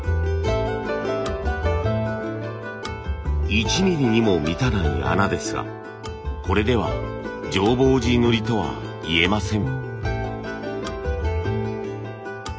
１ミリにも満たない穴ですがこれでは浄法寺塗とはいえません。